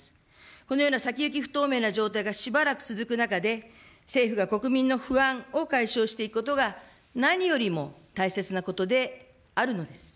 このような先行き不透明な状態がしばらく続く中で、政府が国民の不安を解消していくことが、何よりも大切なことであるのです。